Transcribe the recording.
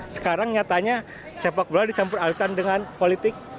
sekarang nyatanya sepak bola dicampur alihkan dengan politik